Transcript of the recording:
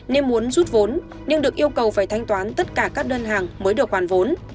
nên muốn rút vốn nhưng được yêu cầu phải thanh toán tất cả các đơn hàng mới được hoàn vốn